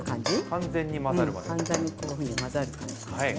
完全にこういうふうに混ざる感じですね。